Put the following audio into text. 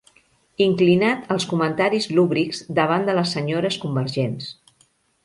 Inclinat als comentaris lúbrics davant de les senyores convergents.